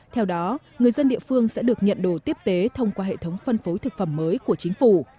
theo đó người dân địa phương sẽ được nhận đồ tiếp tế thông qua hệ thống phân phối thực phẩm mới của chính phủ